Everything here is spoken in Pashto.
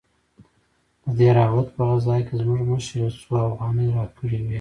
د دهراوت په غزا کښې زموږ مشر يو څو اوغانۍ راکړې وې.